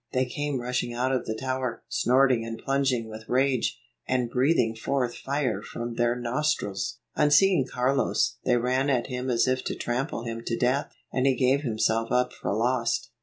They came rushing out of the tower, snorting and plunging with rage, and breathing forth fire from their nostrils. On seeing Carlos, they ran at him as if to trample him to death, and he gave himself up for lost.